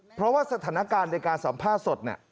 เพราะว่าสถานการณ์ในการสัมภาษณ์สดเนี่ย